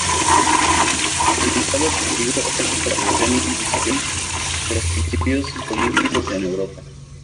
Su principal objetivo es la propagación y difusión de los principios olímpicos en Europa.